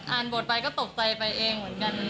บทไปก็ตกใจไปเองเหมือนกัน